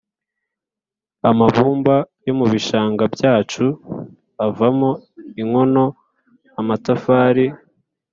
amabumba yo mu bishanga byacu avamo inkono, amatafari…